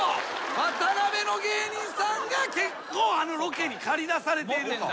ワタナベの芸人さんが結構あのロケに駆り出されている。